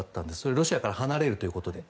ロシアから離れるということで。